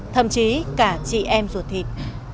thậm chí cả chị em rụt thịt